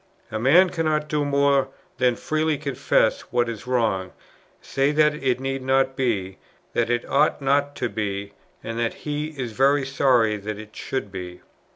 A man cannot do more than freely confess what is wrong, say that it need not be, that it ought not to be, and that he is very sorry that it should be.